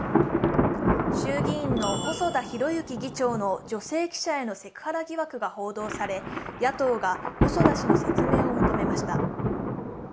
衆議院の細田博之議長の女性記者へのセクハラ疑惑が報道され、野党が細田氏の説明を求めました。